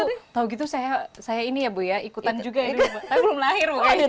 kalau begitu saya ini ya bu ya ikutan juga ya tapi makanya belum lahir